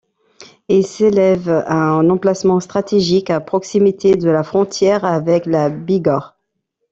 Il s'élève à un emplacement stratégique, à proximité de la frontière avec la Bigorre.